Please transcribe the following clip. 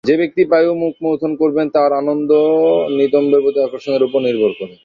যে ব্যক্তি পায়ু-মুখমৈথুন করবেন তার আনন্দ নিতম্বের প্রতি আকর্ষণের উপর নির্ভর করে।